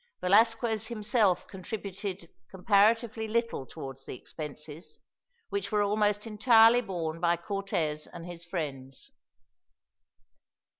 Velasquez himself contributed comparatively little towards the expenses, which were almost entirely borne by Cortez and his friends.